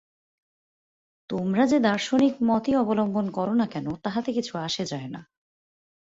তোমরা যে দার্শনিক মতই অবলম্বন কর না কেন, তাহাতে কিছু আসে যায় না।